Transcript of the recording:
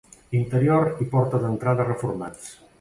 Interior i porta d'entrada reformats.